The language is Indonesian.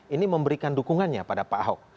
ini memberikan dukungannya pada pak ahok